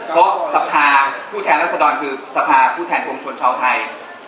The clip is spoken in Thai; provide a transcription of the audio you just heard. เพราะสภาผู้แทนรัศดรคือสภาผู้แทนปวงชนชาวไทย